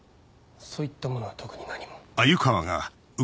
そういったものは特に何も。